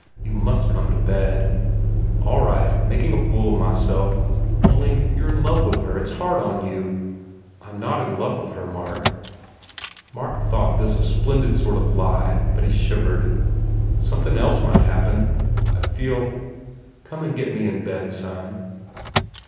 "You must come to bed." "All right. Making a fool of myself. ... Only, you re in love with her. It s hard on you." "I m not in love with her, Mark!" Mark thought this a splendid sort of lie but he shivered. "Somethin else might happen. I feel. ... Come and get me in bed, son."